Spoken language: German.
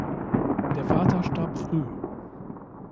Der Vater starb früh.